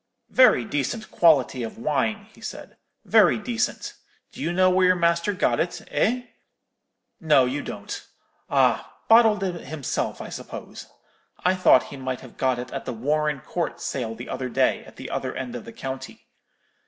"'Very decent quality of wine,' he said, 'very decent. Do you know where your master got it, eh? No, you don't. Ah! bottled it himself, I suppose. I thought he might have got it at the Warren Court sale the other day, at the other end of the county.